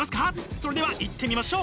それではいってみましょう！